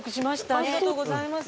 ありがとうございます。